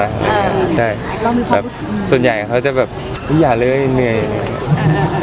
เออจะโปรดเปิดแบบส่วนใหญ่เขาจะแบบอยากเรื่อยหน่วยจะกรอบทำ